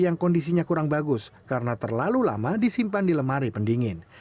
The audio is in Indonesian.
yang kondisinya kurang bagus karena terlalu lama disimpan di lemari pendingin